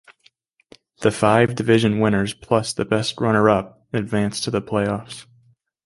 The five division winners plus the best runner-up advance to the playoffs.